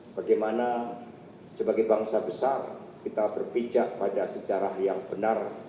bagaimana sebagai bangsa besar kita berpijak pada sejarah yang benar